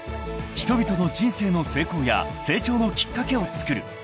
［人々の人生の成功や成長のきっかけをつくる］